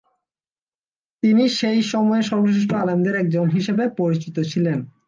তিনি সেই সময়ের সর্বশ্রেষ্ঠ আলেমদের একজন হিসেবে পরিচিত ছিলেন।